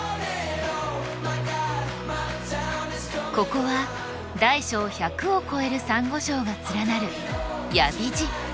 ここは大小１００を超えるサンゴ礁が連なる八重干瀬。